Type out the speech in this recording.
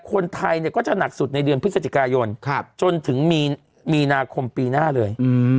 คนไทยเนี่ยก็จะหนักสุดในเดือนพฤศจิกายนครับจนถึงมีมีนาคมปีหน้าเลยอืม